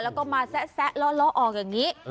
แล้วก็มาแซะล่อออกอย่างนี้